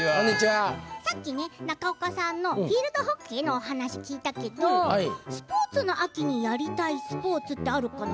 さっき中岡さんのフィールドホッケーのお話を聞いたけどスポーツの秋にやりたいスポーツってあるかな？